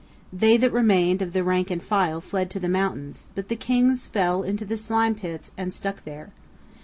They that remained of the rank and file fled to the mountains, but the kings fell into the slime pits and stuck there.